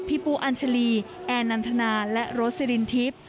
พี่ปูอัญชรีแอร์นันทนาและโรซิลินทิพย์